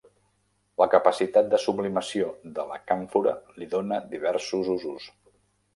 La capacitat de sublimació de la càmfora li dóna diversos usos.